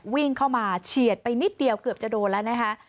วิ่งเข้ามาเฉียดไปนิดเดียวเกือบจะโดนแล้วนะคะ